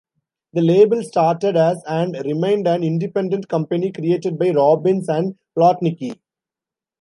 The label started as and remained an independent company created by Robbins and Plotnicki.